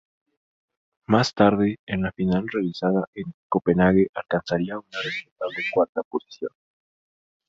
Más tarde, en la final realizada en Copenhague alcanzaría una respetable cuarta posición.